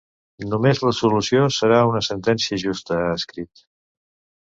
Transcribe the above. Només l’absolució serà una sentència justa, ha escrit.